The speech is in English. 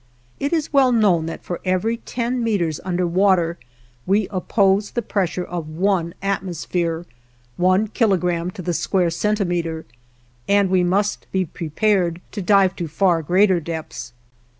It is well known that for every ten meters under water we oppose the pressure of one atmosphere one kilogram to the square centimeter and we must be prepared to dive to far greater depths.